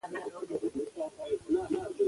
ازادي راډیو د سوداګري اړوند شکایتونه راپور کړي.